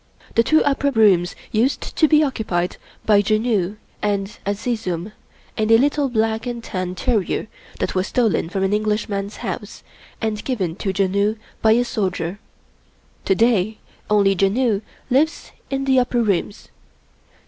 The two upper rooms used to be occupied by Janoo and Azizun and a little black and tan terrier that was stolen from an Englishman's house and given to Janoo by a soldier. To day, only Janoo lives in the upper rooms.